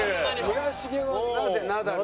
村重はなぜナダル？